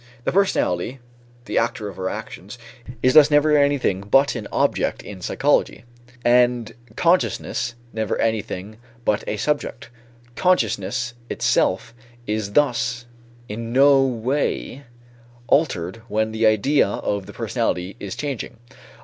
The personality, the actor of our actions, is thus never anything but an object in psychology, and consciousness never anything but a subject. Consciousness itself is thus in no way altered when the idea of the personality is changing.